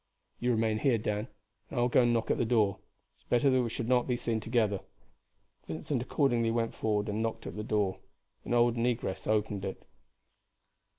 "You remain here, Dan, and I will go and knock at the door. It is better that we should not be seen together." Vincent accordingly went forward and knocked at the door. An old negress opened it.